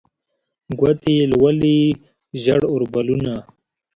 ګوتې یې لولي ژړ اوربلونه